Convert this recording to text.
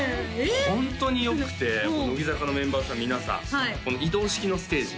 ホントによくて乃木坂のメンバーさん皆さん移動式のステージ